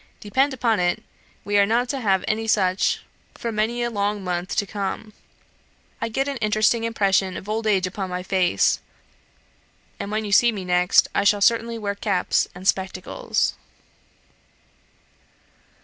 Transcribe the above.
Depend upon it, we are not to have any such for many a long month to come. I get an interesting impression of old age upon my face; and when you see me next I shall certainly wear caps and spectacles."